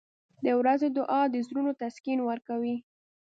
• د ورځې دعا د زړونو تسکین ورکوي.